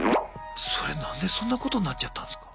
それ何でそんなことなっちゃったんすか？